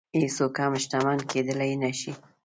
هېڅوک هم شتمن کېدلی نه شي.